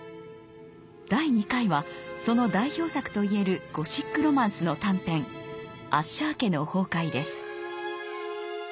第２回はその代表作といえるゴシック・ロマンスの短編「アッシャー家の崩壊」です。